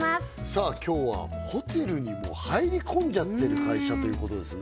今日はホテルに入り込んじゃってる会社ということですね